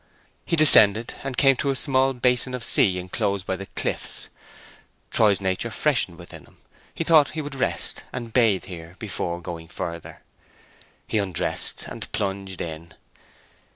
He descended and came to a small basin of sea enclosed by the cliffs. Troy's nature freshened within him; he thought he would rest and bathe here before going farther. He undressed and plunged in.